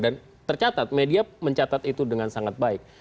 tercatat media mencatat itu dengan sangat baik